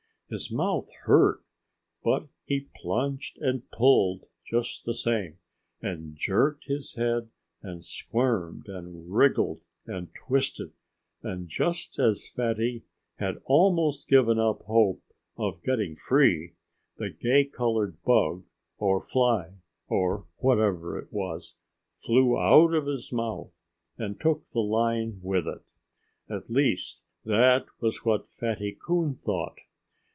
His mouth hurt; but he plunged and pulled just the same, and jerked his head and squirmed and wriggled and twisted. And just as Fatty had almost given up hope of getting free, the gay colored bug, or fly, or whatever it was, flew out of his mouth and took the line with it. At least, that was what Fatty Coon thought.